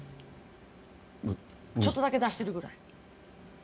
ちょっとだけ出してるぐらい？